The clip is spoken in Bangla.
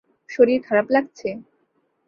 শরীর খারাপ লাগছে?